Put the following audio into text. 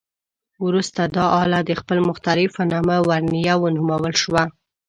وروسته دا آله د خپل مخترع په نامه "ورنیه" ونومول شوه.